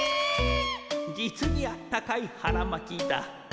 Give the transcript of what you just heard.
実にあったかいはらまきだ。